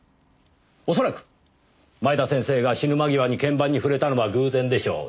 おそらく前田先生が死ぬ間際に鍵盤に触れたのは偶然でしょう。